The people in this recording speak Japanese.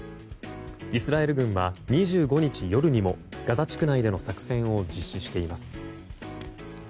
イスラエル軍は２５日夜にもガザ地区内での作戦を実施しています。